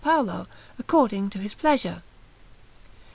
Paolo, according to his pleasure.